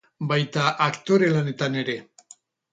Baita aktore lanetan ere.